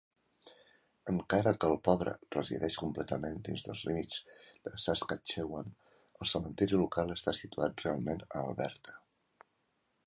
Encara que el pobre resideix completament dins dels límits de Saskatchewan, el cementiri local està situat realment a Alberta.